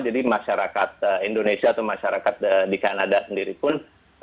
jadi masyarakat indonesia atau masyarakat di kanada sendiri pun